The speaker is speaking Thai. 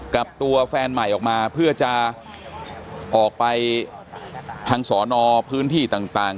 กับตัวแฟนใหม่ออกมาเพื่อจะออกไปทางสอนอพื้นที่ต่าง